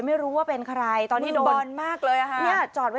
ไม่รู้ว่าเป็นใครตอนนี้โดนบอลมากเลยค่ะ